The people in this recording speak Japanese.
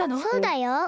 そうだよ。